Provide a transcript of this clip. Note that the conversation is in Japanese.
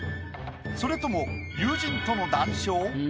それとも友人との談笑？